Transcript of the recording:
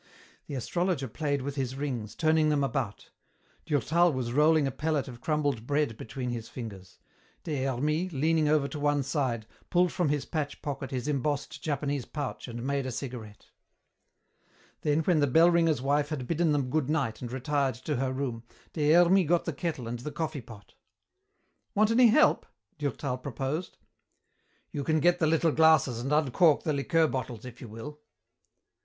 The astrologer played with his rings, turning them about; Durtal was rolling a pellet of crumbled bread between his fingers; Des Hermies, leaning over to one side, pulled from his patch pocket his embossed Japanese pouch and made a cigarette. Then when the bell ringer's wife had bidden them good night and retired to her room, Des Hermies got the kettle and the coffee pot. "Want any help?" Durtal proposed. "You can get the little glasses and uncork the liqueur bottles, if you will."